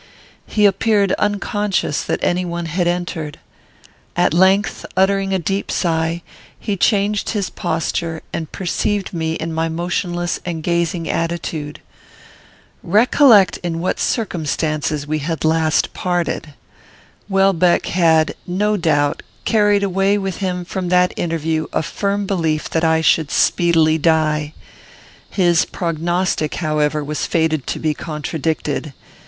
He appeared unconscious that any one had entered. At length, uttering a deep sigh, he changed his posture, and perceived me in my motionless and gazing attitude. Recollect in what circumstances we had last parted. Welbeck had, no doubt, carried away with him from that interview a firm belief that I should speedily die. His prognostic, however, was fated to be contradicted.